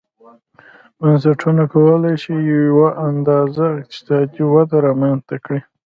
بنسټونه کولای شي چې یوه اندازه اقتصادي وده رامنځته کړي.